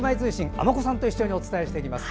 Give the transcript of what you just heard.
尼子さんと一緒にお伝えします。